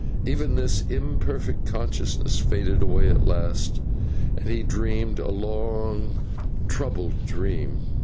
Even this imperfect consciousness faded away at last, and he dreamed a long, troubled dream.